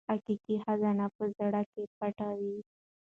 حقیقي خزانه په زړه کې پټه وي.